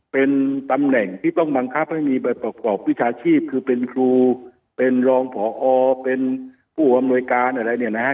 เป็นตำแหน่งที่ต้องบังคับให้มีใบประกอบวิชาชีพคือเป็นครูเป็นรองผอเป็นผู้อำนวยการอะไรเนี่ยนะฮะ